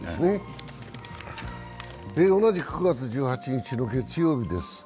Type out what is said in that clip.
同じく９月２８日の月曜日です。